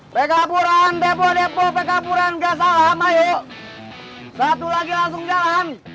pekapuran depo depo pekapuran nggak salam ayo satu lagi langsung jalan